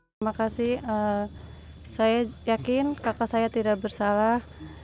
terima kasih saya yakin kakak saya tidak bersalah